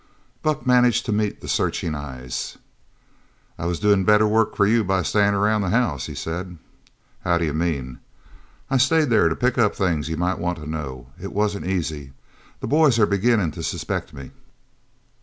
Buck managed to meet the searching eyes. "I was doin' better work for you by stayin' around the house," he said. "How d'you mean?" "I stayed there to pick up things you might want to know. It wasn't easy. The boys are beginnin' to suspect me."